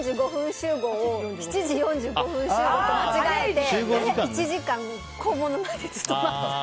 集合を７時４５分集合と間違えて１時間校門の前でずっと待ってた。